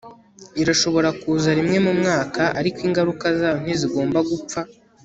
irashobora kuza rimwe mu mwaka, ariko ingaruka zayo ntizigomba gupfa